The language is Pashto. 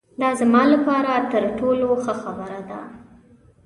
دا زما له پاره تر ټولو ښه خبره ده.